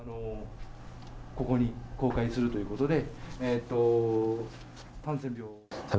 ここに公開するということで。